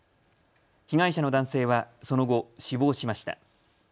被害者の男性はその後、死亡しました。